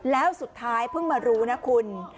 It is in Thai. แล้วสุดท้ายเพิ่งมารู้นะคุณ